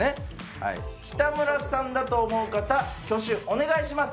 はい北村さんだと思う方挙手お願いします